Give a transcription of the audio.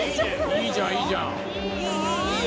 いいじゃん、いいじゃん。